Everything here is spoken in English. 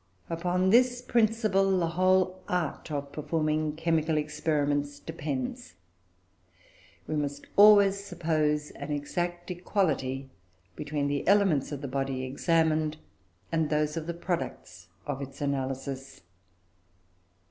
Upon this principle the whole art of performing chemical experiments depends; we must always suppose an exact equality between the elements of the body examined and those of the products of its analysis.